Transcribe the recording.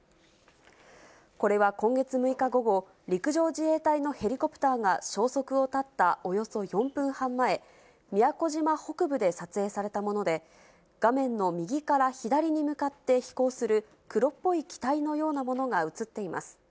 これは今月６日午後、陸上自衛隊のヘリコプターが消息を絶ったおよそ４分半前、宮古島北部で撮影されたもので、画面の右から左に向かって飛行する黒っぽい機体のようなものが写っています。